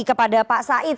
kepada pak said